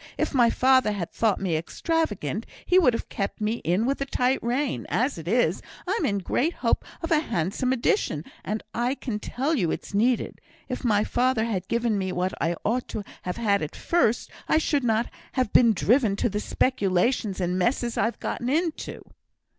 If my father had thought me extravagant, he would have kept me in with a tight rein; as it is, I'm in great hopes of a handsome addition, and I can tell you it's needed. If my father had given me what I ought to have had at first, I should not have been driven to the speculations and messes I've got into."